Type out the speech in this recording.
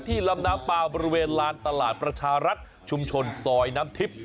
ลำน้ำปลาบริเวณลานตลาดประชารัฐชุมชนซอยน้ำทิพย์